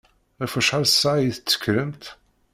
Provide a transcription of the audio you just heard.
Ɣef wacḥal ssaɛa i d-tekkremt?